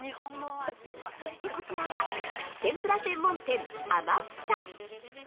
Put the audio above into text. そしてこちらは、天ぷら専門店「天房」！